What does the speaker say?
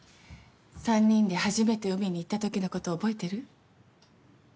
３人で初めて海に行った時のこと覚えてる？